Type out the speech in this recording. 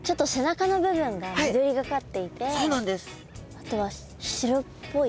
あとは白っぽい。